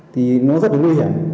thì nó rất là nguy hiểm